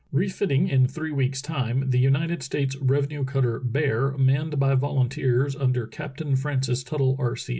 Refitting in three weeks' time, the United States revenue cutter Beaty manned by volun teers under Captain Francis Tuttle, R.